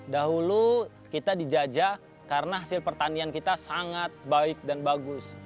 dahulu kita dijajah karena hasil pertanian kita sangat baik dan bagus